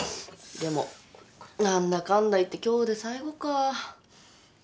でも何だかんだいって今日で最後か。